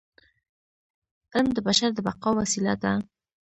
علم د بشر د بقاء وسیله ده.